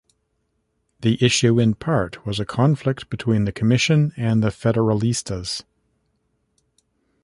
The issue in part was a conflict between the Commission and the Federalistas.